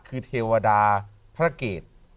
คือเทวดาพระเกต